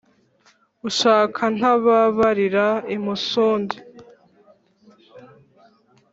Ushaka ntababarira imisundi.